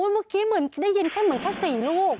เมื่อกี้เหมือนได้ยินแค่เหมือนแค่๔ลูก